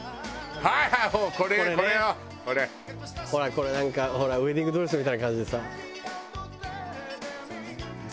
これなんかウェディングドレスみたいな感じでさ。